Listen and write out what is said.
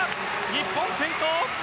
日本、先頭！